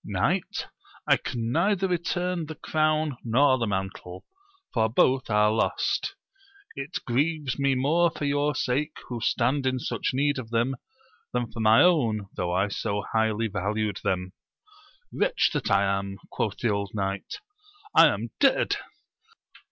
Knight, I can neither return the crown nor the mantle, for both are lost : it grieves me more for your sake who stand in such need of them, than for my own, though I so highly valued them. Wretch that I am! quoth the old knight ; I am dead